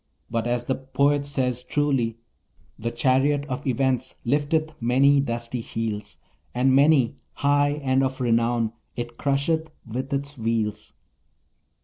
But as the poet says truly: "The chariot of Events lifteth many dusty heels, And many, high and of renown, it crusheth with its wheels."